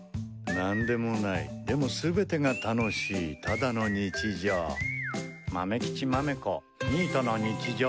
何でもない、でも全てが楽しいただの日常。